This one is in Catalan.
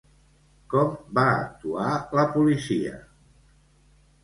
Com va actuar la policia?